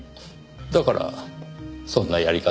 だからそんなやり方を？